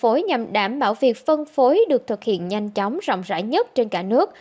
phối nhằm đảm bảo việc phân phối được thực hiện nhanh chóng rộng rãi nhất trên cả nước